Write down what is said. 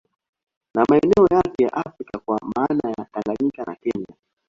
Na maeneo yake ya Afrika kwa maana ya Tanganyika na Kenya